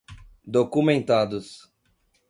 documentados